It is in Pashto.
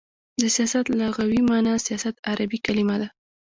د سیاست لغوی معنا : سیاست عربی کلمه ده.